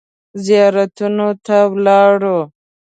زیارتونو ته ولاړو.